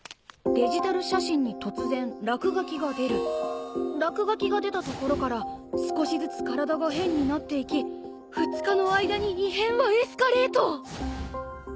「デジタル写真に突然落書きが出る」「落書きが出た所から少しずつ体が変になっていき２日の間に異変はエスカレート！」